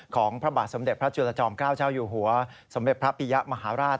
ของพระบาทสมเด็จพระจุลจอมเกล้าเจ้าอยู่หัวสมเด็จพระปิยะมหาราช